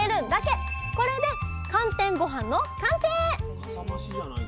これで寒天ごはんの完成！